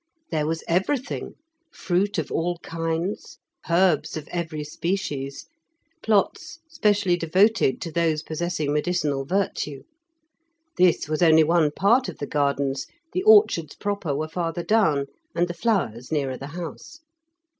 There was everything; fruit of all kinds, herbs of every species, plots specially devoted to those possessing medicinal virtue. This was only one part of the gardens; the orchards proper were farther down, and the flowers nearer the house.